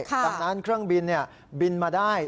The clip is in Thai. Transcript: ดังนั้นเครื่องบินบินมาได้